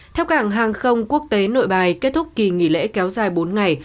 theo cảng hàng không quốc tế nội bài kết thúc kỳ nghỉ lễ kéo dài bốn ngày